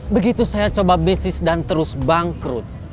begitu saya coba bisnis dan terus bangkrut